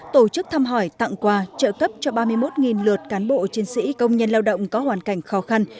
tổ chức thăm hỏi tặng quà trợ cấp cho ba mươi một lượt cán bộ chiến sĩ công nhân lao động có hoàn cảnh khó khăn